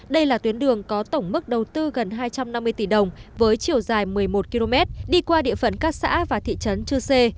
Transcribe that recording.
đây là tuyến đường có tổng mức đầu tư gần hai trăm năm mươi tỷ đồng với chiều dài một mươi một km đi qua địa phận các xã và thị trấn chư sê